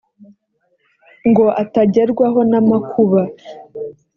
ngo atagerwaho n amakuba